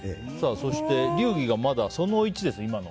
そして流儀がまだその１ですね、今の。